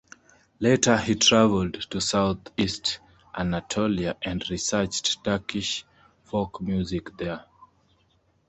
Later, he traveled to south east Anatolia and researched Turkish folk music there.